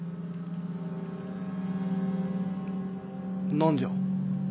何じゃ？